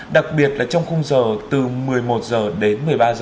đặc biệt là trong khung giờ từ một mươi một h đến một mươi ba h